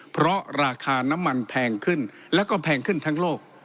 เพราะราคาน้ำมันแพงขึ้นแล้วก็แพงขึ้นทั้งโลก